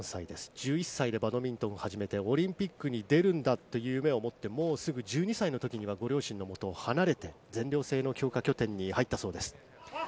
１１歳でバドミントンを始めてオリンピックに出るんだという夢を持って、すぐに１２歳の時には両親の元を離れて、全寮制の強化拠点に入ったそうです。